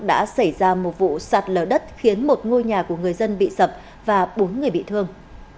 đã xảy ra một vụ sạt lở đất khiến một ngôi nhà của người dân bị sập và bốn người bị thương